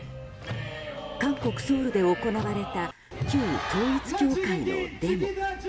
韓国ソウルで行われた旧統一教会のデモ。